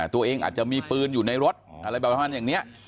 ตัวเองอาจจะมีปืนอยู่ในรถอะไรแบบนั้นอย่างเนี่ย